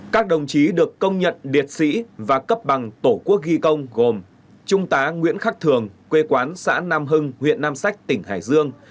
các đồng chí được công nhận liệt sĩ và cấp bằng tổ quốc ghi công gồm trung tá nguyễn khắc thường quê quán xã nam hưng huyện nam sách tỉnh hải dương